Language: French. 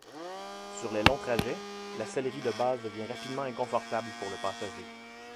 Sur les longs trajets, la sellerie de base devient rapidement inconfortable pour le passager.